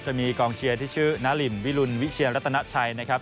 จะมีกองเชียร์ที่ชื่อนารินวิรุณวิเชียรัตนาชัยนะครับ